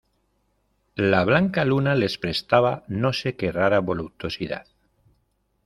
la blanca luna les prestaba no sé qué rara voluptuosidad.